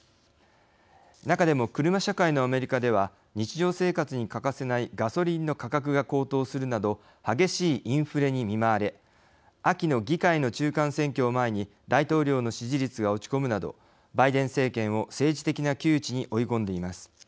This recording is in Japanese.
中でも、車社会のアメリカでは日常生活に欠かせないガソリンの価格が高騰するなど激しいインフレに見舞われ秋の議会の中間選挙を前に大統領の支持率が落ち込むなどバイデン政権を政治的な窮地に追い込んでいます。